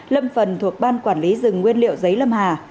lâm phần thuộc ban quản lý rừng nguyên liệu giấy lâm hà